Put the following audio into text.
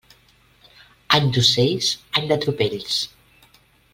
Any d'ocells, any de tropells.